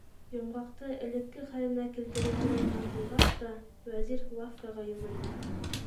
Йомғаҡты элекке хәленә килтереп урынына ҡуйғас та, Вәзир лавкаға йүгерҙе.